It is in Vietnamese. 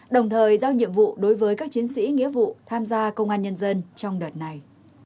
đồng thời giao nhiệm vụ đối với các chiến sĩ nghĩa vụ tham gia công an nhân dân trong đợt này